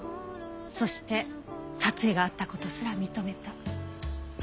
そして殺意があった事すら認めた。